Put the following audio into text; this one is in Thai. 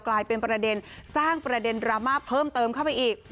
กลายเป็นประเด็นสร้างประเด็นดราม่าเพิ่มเติมเข้าไปอีก